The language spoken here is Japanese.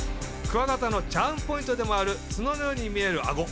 クワガタのチャームポイントでもあるツノのように見えるアゴ。